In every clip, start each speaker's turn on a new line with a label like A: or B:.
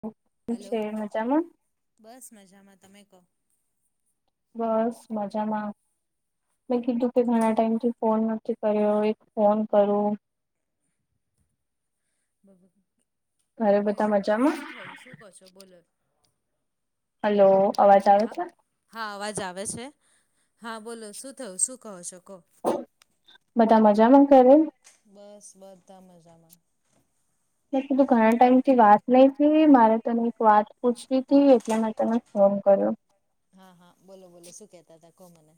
A: બીજું હુ છે
B: હલો
A: છે મજામાં
B: બસ મજામાં તમે કહો
A: બસ મજામાં મેં કીધું કે ઘણા ટાઈમ થી ફોન નથી કર્યો એક ફોન કરું
B: બબ
A: ઘરે
B: હવે
A: બધા મજામાં?
B: શું થયું શું કશો બોલો
A: હલો અવાજ આવે
B: હા
A: છે
B: હા અવાજ આવે છે હા બોલો શું થયું શું કહો શકો
A: બધા મજામાં કરે
B: બસ બધા મજામાં
A: મે કીધું ઘણા ટાઈમ થી વાત નહી થ મારે તને એક વાત પૂછવી હતી એટલે મેં તને ફોન કર્યો
B: હા હા બોલો બોલો શું કેતા હતા કો મને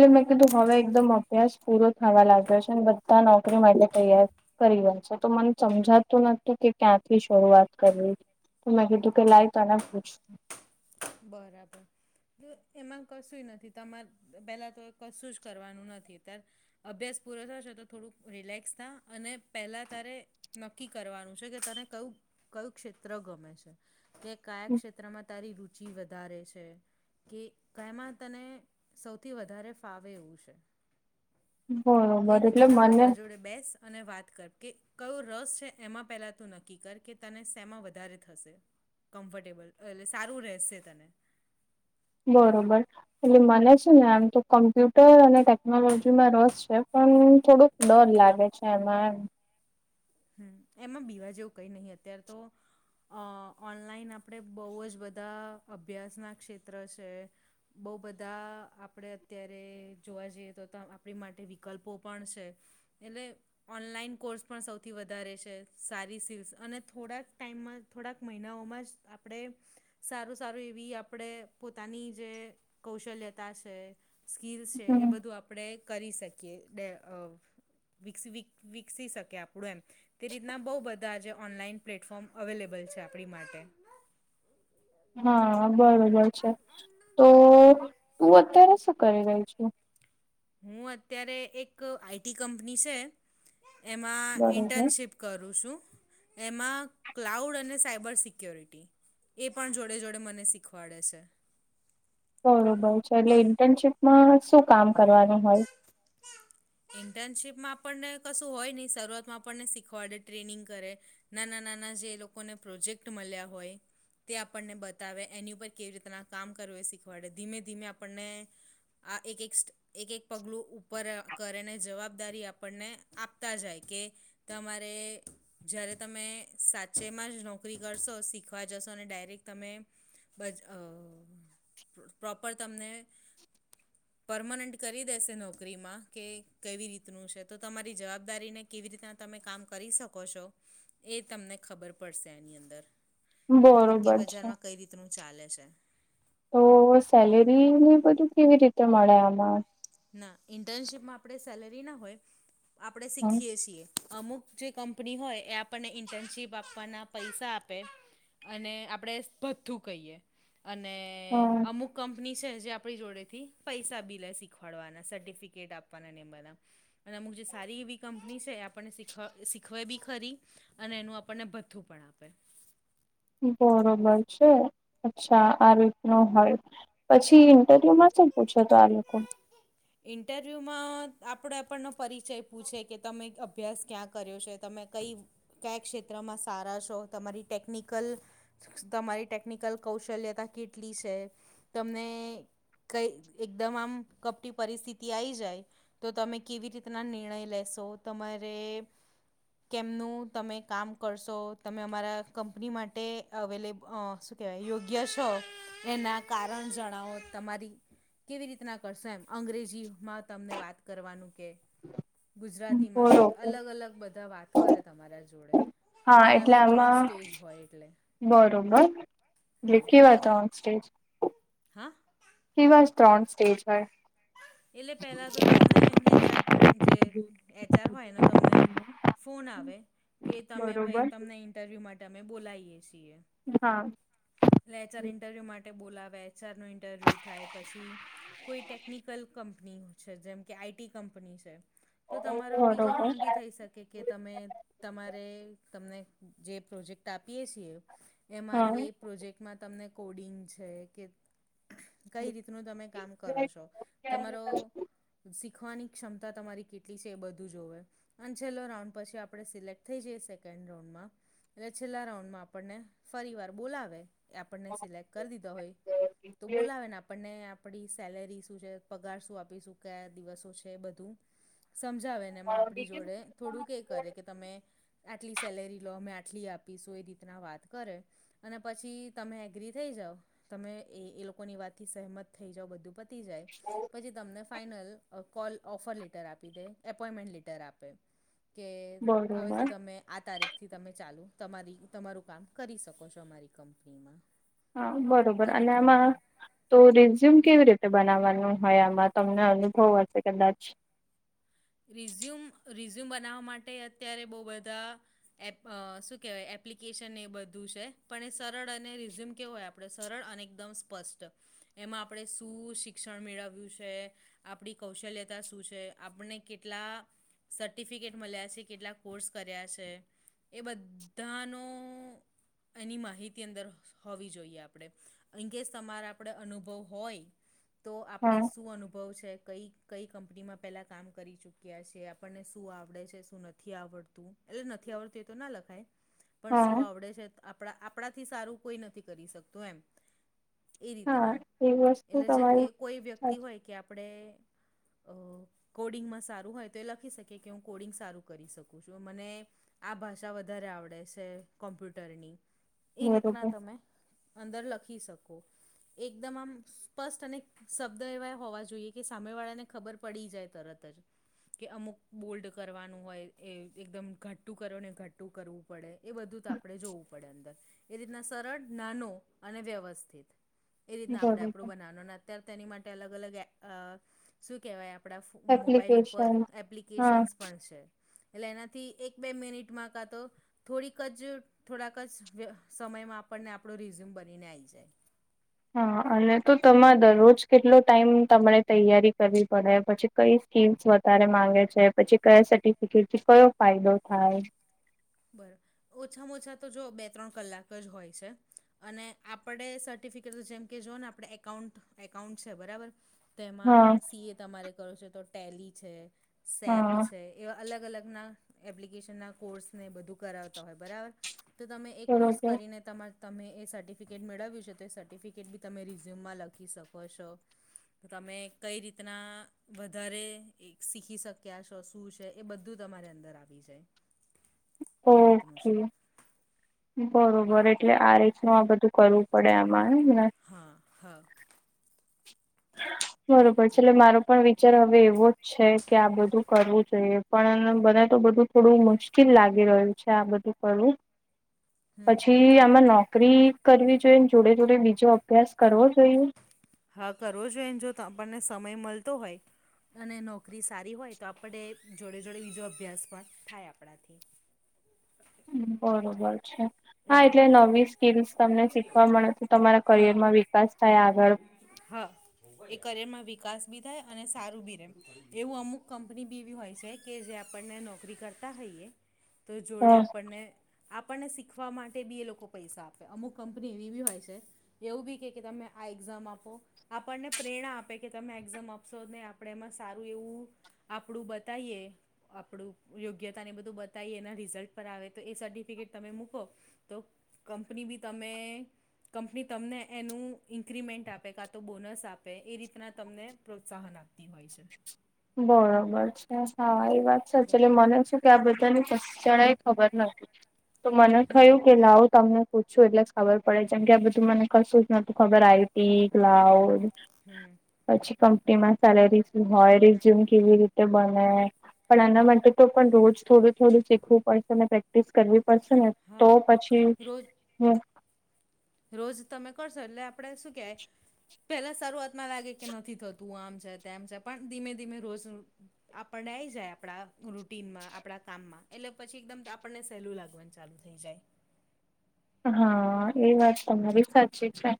A: એટલે મેં કીધું હવે એકદમ અભ્યાસ પૂરો થવા લાગ્યો છે ને બધા નોકરી માટે તૈયાર કરી વનશે તો મને સમજાતું નતું કે ક્યાંથી શરૂઆત કરવી તો તકે લાઈ તના પૂછ
B: બરાબર એમાં કશું નથી તમારે પહેલાં તો કશું જ કરવાનું નથી અત્યારે અભ્યાસ પૂરો થયો છેો તો થોડુંક રિલેક્સ થ અને પહેલાં તારે નક્કી કરવાનું છે કે તને કયું કયું ક્ષેત્ર ગમે છે કે કયા ક્ષેત્રમાં તારી રુચિ વધારે છે કે કાયમાં તને સૌથી વધારે ફાવે એવું છે એ
A: બરોબર એટલે
B: રીતના
A: મને
B: બધા જોડે બેસ અને વાત કર કે કયો રસ છે એમાં પહેલાં તું નક્કી કર કે તને શેમાં વધારે થશે કમ્ફર્ટેબલ એટલે સારું રહેશે તને
A: બરોબર એટલે મને છે ને આમ તો કમ્પ્યુટર અને ટેકનોલોજીમાં રસ છે પણ થોડુંક લોન લાગે છે એમાં એમ
B: હમ એમાં બીવા જેવું કઈ નહીિ અત્યારે તો અ ઓનલાઈન આપણે બહુ જ બધા અભ્યાસના ક્ષેત્ર છે બહુ બધા આપણે અત્યારે જોવા જઈએ તો આપણી માટે વિકલ્પો પણ છે એટલે ઓનલાઈન કોર્સ પણ સૌથી થી વધારે છે સારી સીિલ્સ અને થોડાક ટાઈમમાં થોડાક મહિનાઓમાં જ આપણે સારું સારું એવી આપણે પોતાની જે કૌશલ્યતા છે સ્કીિલ્સ છે
A: એમ
B: એ
A: હમ.
B: બધું આપ આપણે કરી શકીએ વ વિકસી શકીએ આપણું એમ તે રીતના બહુ બધા આજે ઓનલાઈન પ્લેટફોર્મ અવેલેબલ છે આપણી માટે
A: હા બરોબર છે તો તું અત્યારે શું કરી રહી છુ
B: હું અત્યારે એક આઈટી કંપની છે એમાં ઇન્ટર્નશીપ કરું છું એમાં ક્લાઉડ અને સાયબર સિક્યોરિટી એ પણ જોડે જોડે મને શીખવાડે છે
A: બરોબર છે એટલે ઇન્ટર્નશીપમાં શું કામ કરવાનું હોય
B: ઇન્ટર્નશીપમાં આપણને કશું હોય નહીં શરૂઆતમાં આપણને શીખવાડે ટ્રેનિંગ કરે નાના નાના જે એ લોકોને પ્રોજેક્ટ મળ્યા હોય તે આપણને બતાવે એની ઉપર કેવી રીતના કામ કરવું એ શીખવાડે ધીમે ધીમે આપણને આ એક એક સ્ટ એક એક પગલું ઉપર કરેને જવાબદારી આપણને આપતા જાય કે તમારે જ્યારે તમે સાચેમાં જ નોકરી કરશો શીખવા જશો અને ડાયરેક્ટ તમે બજ પ્રોપર તમને પરમનન્ટ કરી દેસે નોકરી માં કે કેવી રીતનું છે તો તમારી જવાબદારીને કેવી રીતના તમે કામ કરી શકો છો એ તમને ખબર પડશે એની અંદર કે
A: બરોબર છે
B: બજારમાં કઈ રી રતનું ચાલે છે
A: તો સેલેરી ને બધું કેવી રીતે મળે આમાં
B: ના ઇન્ટર્નશીપમાં આપણે સેલરી ના હોય આપણે શીખીએ છીએ અમુક જે કંપની હોય એ આપણને ઇન્ટર્નશીપ આપવાના પૈસા આપે અને આપણેે ભથ્થું કહીએ અને
A: હા
B: અમુક કંપની છે જે આપણી જોડે થી પૈસા બી લે શ શીખવાડવાના સર્ટિફિકેટ આપવાના નમબરના અને અમુક જે સારી એવી કંપની છે એ આપણને શીખવા શીખવાય બી ખરી અને એનું આપણને ભથ્થું પણ આપે
A: બરોબર છે અચ્છા આ રીત ન હોલ પછી
B: હા
A: ઇન્ટરવ્યુ માં શું પૂછ્યો તો આ લોકો
B: ઇન્ટરવ્યૂમાં આપણે આપણનો પરિચય પૂછે કે તમે અભ્યાસ ક્યાં કર્યો છે તમે કઈ કયા ક્ષેત્રમાં સારા છો તમારી ટેકનિકલ તમારી ટેકનિકલ કૌશલ્યતા કેટલી છે તમને કઈ એકદમ આમ કપટી પરિસ્થિતિ આવી જાય તો તમે કેવી રીતના નિર્ણય લેશો તમારે કેમનું તમે કામ કરશો તમે અમારા કંપની માટે અવેલે શું કેહેવાય યોગ્ય છો એના કારણ જણાવો તમારી કેવી રીતના કરશે એમ અંગ્રેજીમાં તમને વાત કરવાનું કે ગુજરાતીમાં કે.
A: બરોબર
B: અલગ અલગ બધા વાત કરે તમારા જોડે.
A: હા
B: એના
A: એટલે
B: બી ત્રણ
A: આમાં
B: સ્ટેજ હોય એટલે
A: બરોબર એલે કેવાતો ઓન સ્ટેજ.
B: હ.
A: એવા જ ત્રણ સ્ટેજ હોય
B: એટલે પેલા તો તમને એચઆર જે એચઆર હોયને તમને ફોન આવે કે તમે ભાઈ
A: બરોબર
B: તમને ઇન્ટરવ્યુ માટે અમે બોલાવીએ છીએ
A: હા
B: લેચર ઇન્ટરવ્યૂ માટે બોલાવેચર ન ઇન્ટરવ્યૂ થાય પછી કોઈ ટેકનિકલ કંપની છે જેમ કે આઈટી કંપની છે જો તમારો બીજો
A: બરોબર
B: રાઉન્ડ બી થઈ શકે કે તમે તમારે તમને જે પ્રોજેક્ટ આપીએ છીએ એમાં
A: હા.
B: એ પ્રોજેક્ટમાં તમને કોડિંગ છે કે કઈ રીતનું તમે કામ કરો છો તમારો શીખવાની ક્ષમતા તમારી કેટલી છે એ બધું જોવે અને છેલ્લો રાઉન્ડ પછી આપણે સિલેક્ટ થઈ જઈએ સેકન્ડ રાઉન્ડમાં એટલે છેલ્લા રાઉન્ડમાં આપણને ફરી વાર બોલાવે આપણને સિલેક કરી દીધા હોય તો બોલાવેને આપણને. આપ સેલેરી શું છે પગાર શું આપીશું કયા દિવસો છે બધું સમજાવે. એમાં આપણી જોડે થોડું ક કરે કે તમે. આટલી સેલેરી લો અમે આટલી આપીશું એ રીતના વાત કરે. અને પછી તમે એગ્રી થઈ જાાવ તમે એ એ લોકોની વાતથી સહમત થઈ જાાવ બધું પ. જાય પછી. તમને ફાાઈનલ કોલ ઓફર લેટર આપી દે એપોઈન્ટમેન્ટ લેટર આપે. કે હવેથી
A: બરોબર
B: તમે આ તારીખે. થી તમે ચાલુ તમારી તમારું કામ કરી શકો છો અમારી કંપનીમાં.
A: હા બરોબર
B: એ
A: અને
B: રીતનું
A: આમાં.
B: હોય
A: તો રીઝ્યુમ કેવી રીતે બનાવવાનું હોય આમાં તમને અનુભવ હશે કદાચ.
B: રિઝ્યુમ રિઝ્યુમ બનાવવા માટે અત્યારે બહુ બધા. એપ શું કેહેવાય એપ્લિકેશન એ બધું છે પણ એ સરળ અને રિઝ્યુમ કેવું હોય આપ. આપણે સરળ અને એકદમ સ્પષ્ટ. એમાં આપણે શું શિક્ષણ મેળવ્યું છે આપણી કૌશલ્યતા શું છે આપને. કેટલા સર્ટિફિકેટ મળ્યા છે કેટલા કોર્સ કર્યા છે. એ બધાનો એની માહિતી અંદર હોવી જોઈએ આપડણે. અંગે જ તમારે આપણે અનુભવ હોય. તો આપણે
A: હા
B: શું અનુભવ છે કઈ કઈ કંપનીમાં પહેલાં કામ. કરી ચુક્યા છે આપણને શું આવડે છે શું નથી આવડતું એટલે નથી આવડતું એ તો ના લખાય. પણ શું
A: હા
B: આવડે છે આપણા આપણાથી સારું કોઈ નથી કરી શકતું એમ. એ
A: હા
B: રીતના
A: એ વસ્તુ
B: એટલે જેમ કે
A: તમારી
B: કોઈ વ્યક્તિ
A: સાચી
B: હોય કે આપણે. કોડિંગમાં સારું હોય તો એ લખી શકીકે કે હું કોડિંગ સારું કરી શકું છું મને. આ ભાષા વધારે આવડે છે કોમ્પ્યુટરની એ
A: બરોબર
B: રીતના તમે. અંદર લખી શકો. એકદમ આમ સ્પષ્ટ અને શબ્દ એવા હોવા જોઈએ કે સામે વાળાને ખબર પડી જાય. તરત જ. કે અમુક બોલ્ડ કરવાનું હોય એ એકદમ ઘટું કરો ને ઘટું કરવું પડે. એ બધું તો આપણે જોવું પડે અંદર એ રીતના સરળ નાનો અને વ્યવસ્થિત. એ રીતના આપણે
A: બરોબર
B: આપણું બનાવવાનું અત્યારે તેની માટે અલગ અલગ શું કહેવાય આપણા. મોબાઈલ ઉપર
A: એપ્લિકેશન હા
B: એપ્લિકેશન્સ પણ છે. એટલે એનાથી એક બે મિનિટમાં કતો. થોડીક જ થોડાક જ સમયમાં આપણને આપણો રિઝ્યુમ બનીને આવી જાય.
A: હા અને તો તમારે દરરોજ કેટલો ટાઈમ તમારે તૈયારી કરવી પડે પછી કઈ ટીપ્સ વધારે માંગે છે પછી કયા સર્ટિફિકેટથી કયો ફાયદો થાય
B: બર ઓછામાં ઓછા તો જોઓ બે ત્રણ કલાક જ હોય છે અને આપણે સર્ટિફિકેટ જેમકે જોઓ ને. આપણે એકાઉન્ટ એકાઉન્ટ છે બરાબર.
A: હા
B: તેમાં સી એ તમારે કરો છેો તો ટેલી છે સેપ
A: હા
B: છે. એવા અલગ અલગના એપ્લિકેશનના કોર્સ ને બધું કરાવતા હોય બરાબર. તો તમે એ કોર્સ
A: બરોબર
B: કરીને તમાર. તમે એ સર્ટિફિકેટ મેળવ્યું છે તો એ સર્ટિફિકેટ બી તમે રિઝ્યુમમાં લખી શકો છો. તો તમે કઈ રીતના. વધારે શીખી શક્યા છો શું છે એ બધું તમારી અંદર આવી જાય. એ રીતનું છે
A: ઓકેી. બરોબર એટલે આ રીતનું આ બધું કરવું પડે આમાંમને.
B: હા હા.
A: બરોબર છે એટલે મારો પણ વિચાર હવે એવોજ. છે કે આ બધું કરવું જોઈએ પણ બને તો બધું થોડું મુશ્કેલ લાગી રહ્યું છે આ બધું. પણ મુ
B: હમ
A: પછી આમાં નોકરી કરવી જોઈએ જોડે જોડે બીજો અભ્યાસ કરવો જોઈએ.
B: હા કરવો જોઈએ અને જો આપણને સમય મળતો હોય અને નોકરી સારી હોય તો આપણે જોડે જોડે બીજો અભ્યાસ પણ થાય આપણાથી
A: હમ્મ બરોબર છે. હા એટલે નવી સ્કીલસ તમને શીખવા મળે છે તમારા
B: હા
A: કરિયરમાં વિકાસ થાય આગળ
B: હા એ કરિયર માં વિકાસ બી થાય અને સારું બી રે એવું અમુક કંપની બીવી હોય છે કે જે આપણને નોકરી કરતા હોઈએ. તો જોડે આપણને આપણને શીખ શીખવા માટે બી એ લોકો પૈસા આપે અમુક કંપની એવી બી હોય છે. એવું બી કે કે તમે આ એક્ઝામ આપો. આપણને પ્રેરણા આપે કે તમે એક્ઝમ આપશો નને આપણે એમાં સારું એવું આપણું બતાઈએ. આપડું યોગ્યતા ને બધું બતાવી એના રિઝલ્ટ પર આવે તો એ સર્ટિફિકેટ તમે મુક મુકો તો કંપની બી તમે કંપની તમને એનું ઇન્ક્રીમેન્ટ આપે કાં તો બોનસ આપે એ રીતના તમને પ્રોત્સાહન આપે. તી હોય છે.
A: બરોબર છે સવારી વાત સાચું
B: એટલે
A: ચલે મને શું કે આ બધા ની કે જરાએ એ ખબર નથી. તો મને
B: હમ
A: થયું કે લાવું તમને પૂછું શું એટલે જ ખબર પડે જેમ કે આ બધું મને કશું જ નતું ખબર આઈટી લાવ.
B: હમ
A: પછી કંપનીમાં સેલેરી હોય રિઝ્યુમ કેવી રીતે બને પણ
B: હમ
A: આના માટે તો પણ રોજ થોડું થોડું શીખવું પડશે અને પ્રેક્ટિસ કરવી પડશે ને તો
B: હા
A: પછી
B: રોજ
A: હું
B: રોજ તમે કરશો એટલે આપણેે શું કહેવાય પેલા શરૂઆતમાં લાગે કે નથી થતું. તું આમ છે તેમ છે પણ ધીમે ધીમે રોજ આપણને આઈ જાય આપણા રૂટીનમાં આપણા કામમાં એટલે પછી એકદમ આપણને સહેલું લાગવાનું ચાલુ થઈ જાય.
A: હા એ વાત તમારી બી સાચી છે.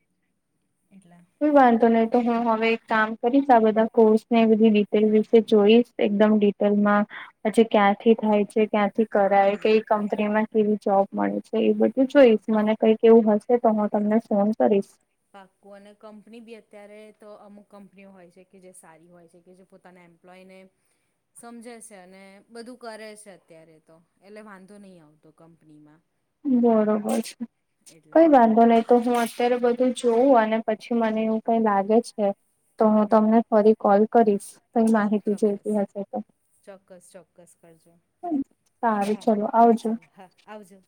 B: એટલે.
A: કોઈ વાંધો નહી તો હું હવે એક કામ કરીશ આ બધા કોર્સ ને બધી વી તે વિશે જોઈશ એકદમ ડિટેલમાં પછી ક્યાંથી થાય છે ક્યાંથી કરાય
B: હમ
A: કઈ કંપની માં કેવી જોબ મળે છે એ બધુ તું
B: હા
A: જોઈશ મને કઈક એવું હશે તો હું તમને ફોન કરીશ
B: પાક્કું અને કંપની બી અત્યારે તો અમુક કંપનીઓ હોય છે કે જે સારી હોય છે કે જે પોતાના એમ એ્લોયને સમજે છે અને બધું કરે છે અત્યારે તો એટલે વાંધો નહીં આવતો કંપનીમાં
A: બરોબર છે
B: એટલે
A: કઈ વાંધો નહી તો હું અત્યારે
B: હા
A: બધું જ જોવું અને પછી મને એવું કઈ લાગે છે તો હું
B: હમ
A: તમને ફરી કોલ કરીશ કઈ માહિતી છે
B: ચોક્કસ
A: ઇતિહાસ છે તો
B: ચોક્કસ ચોક્કસ કરજો
A: સારું
B: હા
A: ચલો આવજો
B: ચલો હા આવજો